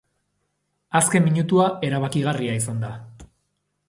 Azken minutua erabakigarria izan da.